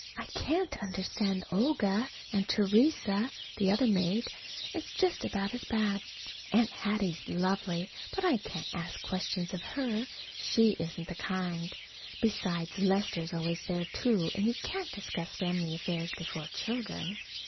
I can't understand Olga, and Theresa, the other maid, is just about as bad. Aunt Hattie's lovely, but I can't ask questions of her. She isn't the kind. Besides, Lester's always there, too; and you can't discuss family affairs before children.